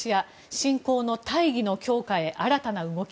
侵攻の大義の強化へ新たな動き。